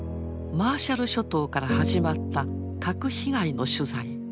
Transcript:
マーシャル諸島から始まった核被害の取材。